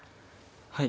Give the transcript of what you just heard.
はい。